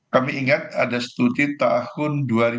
kami ingat ada studi tahun dua ribu dua